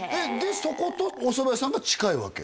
そことおそば屋さんが近いわけ？